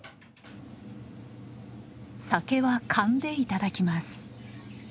酒は燗でいただきます。